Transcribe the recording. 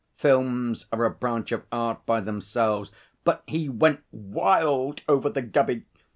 Films are a branch of art by themselves. But he went wild over the Gubby.